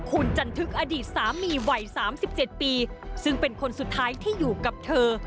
คุณจันทึกอดีตสามีวัย๓๗ปีซึ่งเป็นคนสุดท้ายที่อยู่กับเธอ